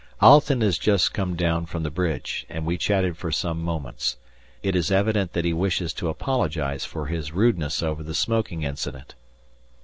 ] Alten has just come down from the bridge, and we chatted for some moments; it is evident that he wishes to apologize for his rudeness over the smoking incident.